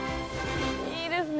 いいですね。